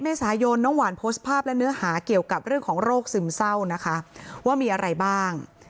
เมษายนน้องหวานโพสต์ภาพและเนื้อหาเกี่ยวกับเรื่องของโรคซึมเศร้านะคะว่ามีอะไรบ้าง